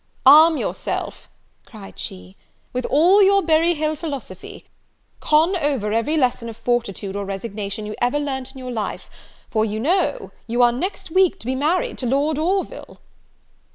"Arm yourself," cried she, "with all your Berry Hill philosophy; con over every lesson of fortitude or resignation you ever learnt in your life; for know, you are next week to be married to Lord Orville!"